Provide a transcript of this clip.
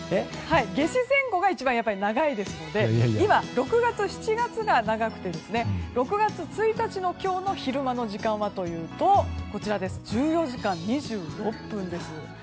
夏至前後が一番長いですので６月、７月が長くて６月１日、今日の昼間の時間は１４時間２６分です。